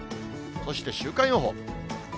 そして週間予報。